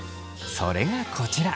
それがこちら。